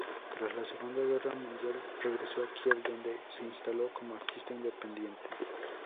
Tras la Segunda Guerra Mundial regresó a Kiel, donde se instaló como artista independiente.